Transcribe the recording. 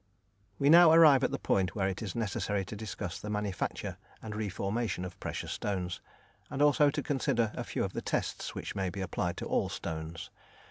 We now arrive at the point where it is necessary to discuss the manufacture and re formation of precious stones, and also to consider a few of the tests which may be applied to all stones.